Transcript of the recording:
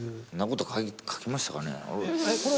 そんなこと書きましたかね？